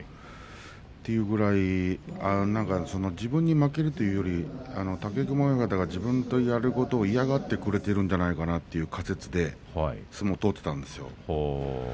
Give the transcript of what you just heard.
それぐらい自分に負けるというより武隈親方が自分とやることを嫌がってくれてるんじゃないかなという仮説で相撲を取っていたんです。